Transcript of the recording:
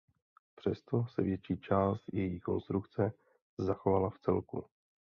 Přesto se větší část její konstrukce zachovala vcelku.